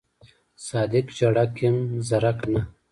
صادق ژړک یم زرک نه.